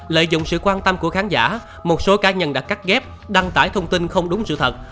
lợi dụng sự quan tâm của khán giả một số cá nhân đã cắt ghép đăng tải thông tin không đúng sự thật